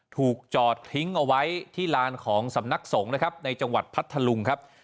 ถูกจอดทิ้งเอาไว้ที่ลานของสำนักสงฆ์นะครับในจังหวัดพัทธลุงครับ